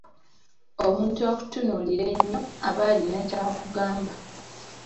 Omuntu akutunuulira ennyo aba alina kyakugamba.